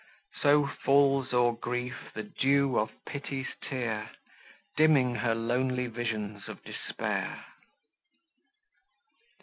So falls o'er Grief the dew of pity's tear Dimming her lonely visions of despair.